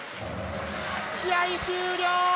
試合終了。